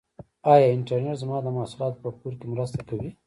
آیا انټرنیټ زما د محصولاتو په پلور کې مرسته کوي؟